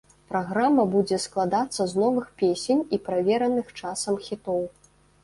Праграма будзе складацца з новых песень і правераных часам хітоў.